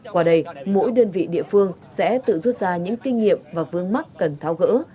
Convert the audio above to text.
qua đây mỗi đơn vị địa phương sẽ tự rút ra những kinh nghiệm và vương mắc cần tháo gỡ